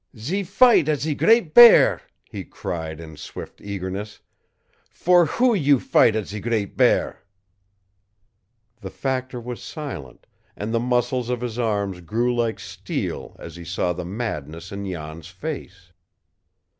"Ze fight at ze Great Bear!" he cried in swift eagerness. "For who you fight at ze Great Bear?" The factor was silent, and the muscles of his arms grew like steel as he saw the madness in Jan's face.